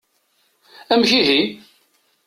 Amek ihi!